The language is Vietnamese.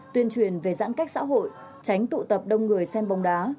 tuyên truyền về giãn cách xã hội tránh tụ tập đông người xem bóng đá